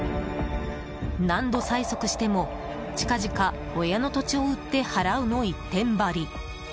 何度催促しても近々親の土地を売って払うの一点張り。